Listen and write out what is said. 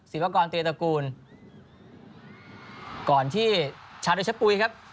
สินวักกรณ์เตรียมตระกูลก่อนที่ชาติดชะปุยครับ